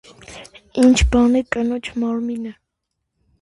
Ի՞նչ բան է կնոջ մարմինը: